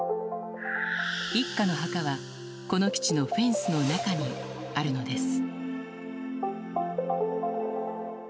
一家の墓は、この基地のフェンスの中にあるのです。